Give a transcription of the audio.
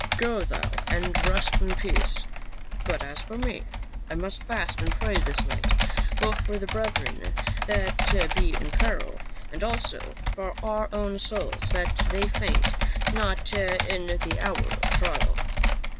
Go thou and rest in peace ; but as for me, I must fast and pray this night, both for the brethren that be in peril, and also for our own souls that they faint not in the hour of trial."